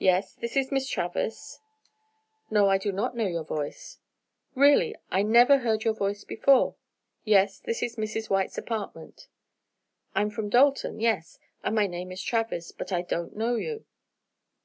"Yes, this is Miss Travers!" "No, I do not know your voice." "Really, I never heard your voice before!" "Yes, this is Mrs. White's apartment." "I'm from Dalton, yes, and my name is Travers, but I don't know you."